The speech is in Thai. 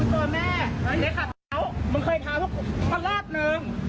ใหญ่นะ